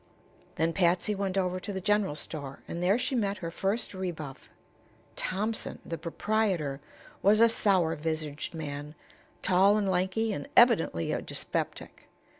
Then Patsy went over to the general store, and there she met her first rebuff. Thompson, the proprietor, was a sour visaged man, tall and lanky and evidently a dyspeptic.